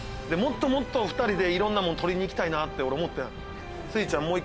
もっともっと２人でいろんなもの取りに行きたいなって俺思ってん。